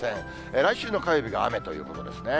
来週の火曜日が雨ということですね。